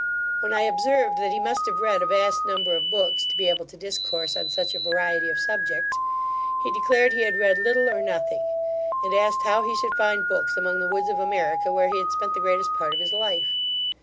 When I observed, that he must have read a vast number of books to be able to discourse on such a variety of subjects, he declared he had read little or nothing, and asked how he should find books among the woods of America, where he had spent the greatest part of his life.